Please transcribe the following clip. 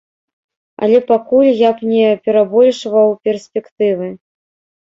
Але пакуль я б не перабольшваў перспектывы.